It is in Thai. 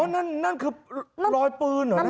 อ๋อนั่นคือรอยปืนเหรอเนี่ย